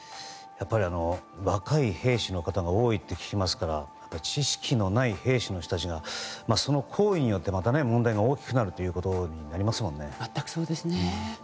やっぱり若い兵士の方が多いと聞きますから知識のない兵士の人たちがその行為によってまた問題が大きくなることになりますもんね。